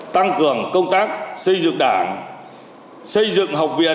tăng cường công tác xây dựng đảng xây dựng học viện